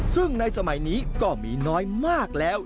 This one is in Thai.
ซึ่งในสมัยนี้ก็มีน้อยมากแล้ว